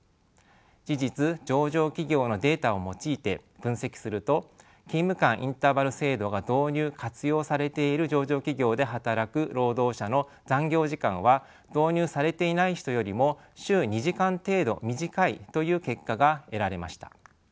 事実上場企業のデータを用いて分析すると勤務間インターバル制度が導入・活用されている上場企業で働く労働者の残業時間は導入されていない人よりも週２時間程度短いという結果が得られました。